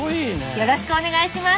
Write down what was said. よろしくお願いします。